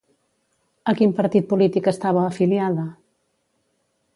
A quin partit polític estava afiliada?